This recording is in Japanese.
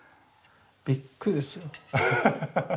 びっくりですよ。